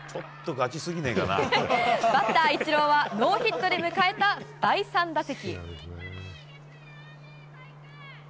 バッターイチローはノーヒットで迎えた第３打席。